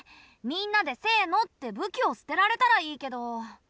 みんなでせのって武器を捨てられたらいいけど。